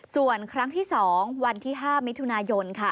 ส่วนครั้งที่๒วันที่๕มิถุนายนค่ะ